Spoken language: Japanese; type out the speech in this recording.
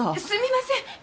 すみません。